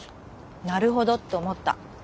なるほどと思った。